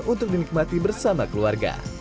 untuk dinikmati bersama keluarga